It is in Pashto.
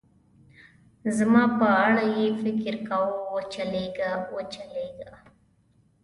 زما په اړه یې فکر کاوه، و چلېږه، و چلېږه.